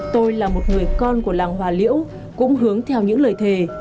tôi là một người con của làng hòa liễu cũng hướng theo những lời thề